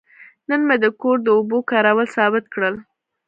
نن مې د کور د اوبو کارول ثابت کړل.